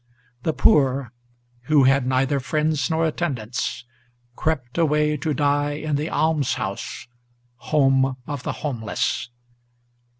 the poor, who had neither friends nor attendants, Crept away to die in the almshouse, home of the homeless.